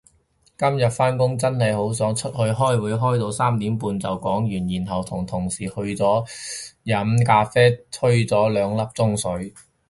今日返工真係好爽，出去開會開到三點半就講完，然後同同事去咗飲咖啡吹咗兩粒鐘水